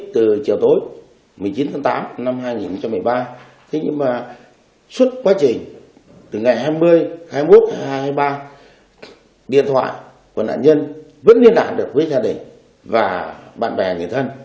từ ngày hai mươi hai mươi một hai mươi ba điện thoại của nạn nhân vẫn liên lạc được với gia đình và bạn bè người thân